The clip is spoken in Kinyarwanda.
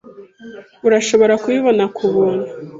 Urashobora kubibona kubuntu.